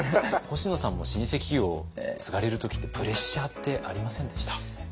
星野さんも老舗企業を継がれる時ってプレッシャーってありませんでした？